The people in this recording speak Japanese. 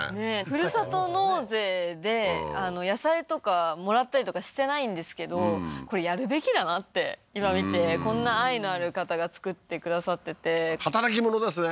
ふるさと納税で野菜とかもらったりとかしてないんですけどこれやるべきだなって今見てこんな愛のある方が作ってくださってて働き者ですね